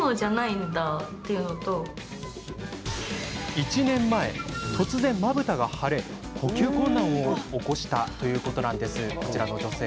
１年前、突然まぶたが腫れ呼吸困難を起こしたこちらの女性。